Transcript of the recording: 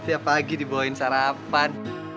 tiap pagi dibawain sarapan